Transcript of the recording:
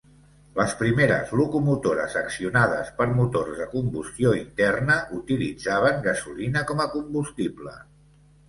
Les primeres locomotores accionades per motors de combustió interna utilitzaven gasolina com a combustible.